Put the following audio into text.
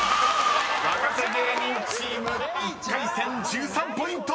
若手芸人チーム１回戦１３ポイント！］